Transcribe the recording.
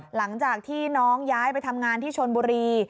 หลังจากที่น้องย้ายไปทำงานที่ชนบุรี